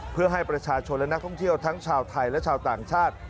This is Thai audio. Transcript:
เพื่อให้ประชาชนและนักท่องเที่ยวทั้งชาวไทยและชาวต่างชาติ